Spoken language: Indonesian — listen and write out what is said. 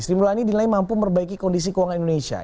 sri mulyani dinilai mampu memperbaiki kondisi keuangan indonesia